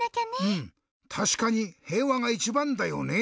うんたしかにへいわがいちばんだよね。